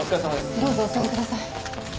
どうぞお座りください。